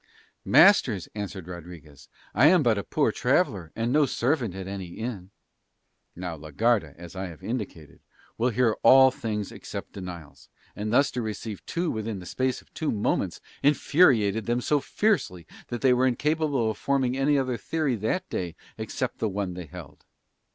"Masters," answered Rodriguez, "I am but a poor traveller, and no servant at any inn." Now la Garda, as I have indicated, will hear all things except denials; and thus to receive two within the space of two moments infuriated them so fiercely that they were incapable of forming any other theory that day except the one they held.